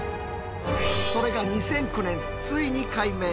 それが２００９年ついに解明。